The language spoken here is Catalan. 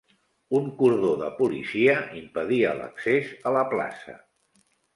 Un cordó de policia impedia l'accés a la plaça.